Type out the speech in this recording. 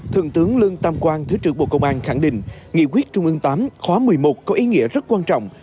thượng tướng lương tam quang thứ trưởng bộ công an khẳng định nghị quyết trung ương viii khóa một mươi một có ý nghĩa rất quan trọng